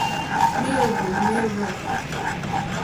Mèóhwò méhwǎ.